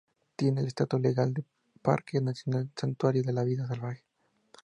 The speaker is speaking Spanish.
Tiene el estatus legal de parque nacional o santuario de la vida salvaje.